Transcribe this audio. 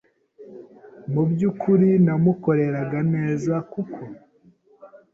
mu byukuri namukoreraga neza kuko